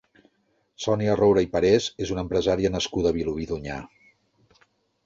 Sònia Roura i Parés és una empresària nascuda a Vilobí d'Onyar.